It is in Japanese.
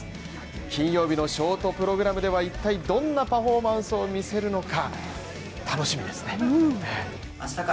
金曜日のショートプログラムでは一体どんなパフォーマンスを見せるのか。